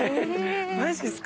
マジですか？